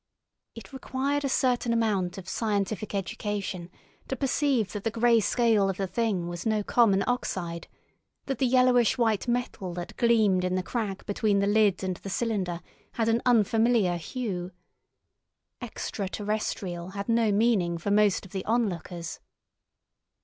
It required a certain amount of scientific education to perceive that the grey scale of the Thing was no common oxide, that the yellowish white metal that gleamed in the crack between the lid and the cylinder had an unfamiliar hue. "Extra terrestrial" had no meaning for most of the onlookers.